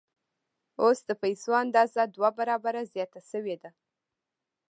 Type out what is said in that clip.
اوس د پیسو اندازه دوه برابره زیاته شوې ده